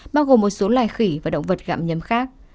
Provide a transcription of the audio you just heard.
bao gồm một số loài khỉ và động vật gạm nhấm khác